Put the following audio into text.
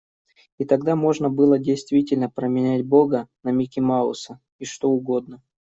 И тогда можно было действительно променять Бога на Микки Мауса и что угодно.